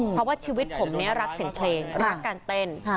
เพราะว่าชีวิตผมนี้รักเสียงเพลงรักการเต้น